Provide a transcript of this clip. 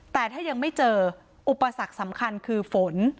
แต่ถ้ายังไม่เจออุปสรรคสำคัญคือฝน